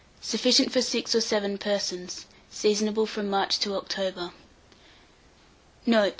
Sufficient for 6 or 7 persons. Seasonable from March to October. Note.